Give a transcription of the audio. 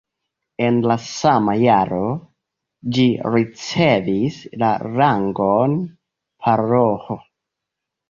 En la sama jaro ĝi ricevis la rangon paroĥo.